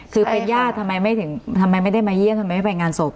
คือเป็นญาติทำไมไม่ได้มาเยี่ยมทำไมไม่ไปงานศพ